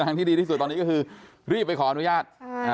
ทางที่ดีที่สุดตอนนี้ก็คือรีบไปขออนุญาต